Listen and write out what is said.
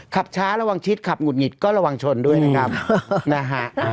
ขับช้าระวังชิดขับหุดหงิดก็ระวังชนด้วยนะครับนะฮะ